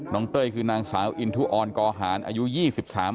เต้ยคือนางสาวอินทุออนกอหารอายุ๒๓ปี